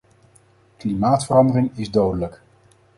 Klimaatverandering is dodelijk.